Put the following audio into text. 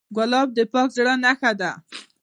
ګلاب د پاک زړه نښه ده.